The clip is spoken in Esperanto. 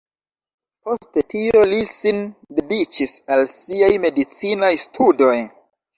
Poste tio li sin dediĉis al siaj medicinaj studoj.